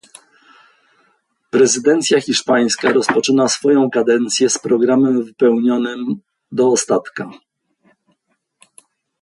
Prezydencja hiszpańska rozpoczyna swoją kadencję z programem wypełnionym do ostatka